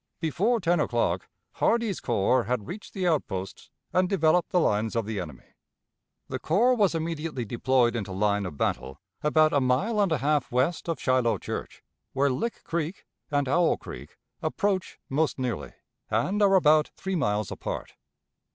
Before ten o'clock Hardee's corps had reached the outposts and developed the lines of the enemy. The corps was immediately deployed into line of battle about a mile and a half west of Shiloh church, where Lick Creek and Owl Creek approach most nearly, and are about three miles apart.